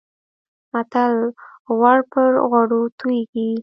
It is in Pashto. متل: غوړ پر غوړو تويېږي.